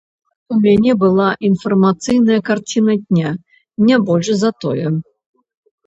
У мяне была інфармацыйная карціна дня, не больш за тое.